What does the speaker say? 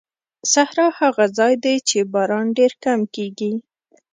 صحرا هغه ځای دی چې باران ډېر کم کېږي.